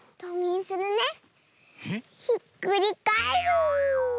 ひっくりかえる！